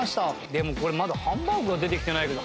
でもこれまだハンバーグが出てきてないけど。